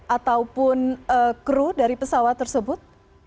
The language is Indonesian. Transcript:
ataupun kru dari pesawat tersebut